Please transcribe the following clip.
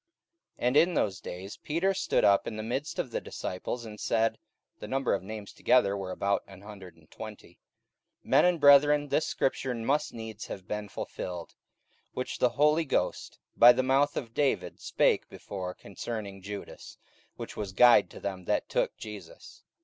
44:001:015 And in those days Peter stood up in the midst of the disciples, and said, (the number of names together were about an hundred and twenty,) 44:001:016 Men and brethren, this scripture must needs have been fulfilled, which the Holy Ghost by the mouth of David spake before concerning Judas, which was guide to them that took Jesus.